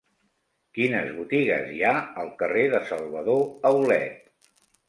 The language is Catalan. Quines botigues hi ha al carrer de Salvador Aulet?